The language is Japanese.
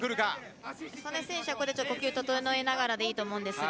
祖根選手は呼吸を整えながらでいいと思うんですが。